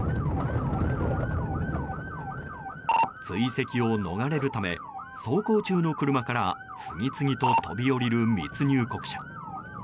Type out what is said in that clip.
追跡を逃れるため走行中の車から次々と飛び降りる密入国者。